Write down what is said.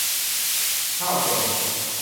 ข้าวแกง